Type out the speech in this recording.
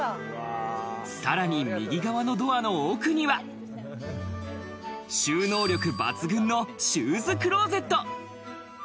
さらに右側のドアの奥には、収納力抜群のシューズクローゼット。